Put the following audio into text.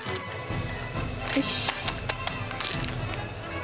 よし。